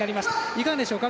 いかがでしょうか？